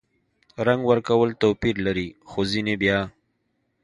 رنګ ورکول توپیر لري – خو ځینې بیا